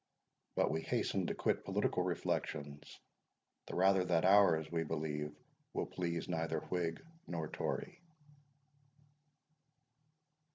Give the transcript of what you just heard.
But we hasten to quit political reflections, the rather that ours, we believe, will please neither Whig nor Tory.